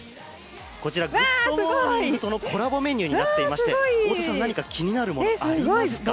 こちら「グッド！モーニング」とのコラボメニューになっていまして太田さん何か気になるものありますか？